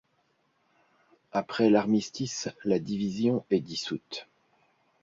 Après l'armistice, la division est dissoute.